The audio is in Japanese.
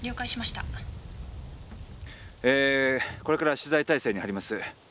これから取材態勢に入ります。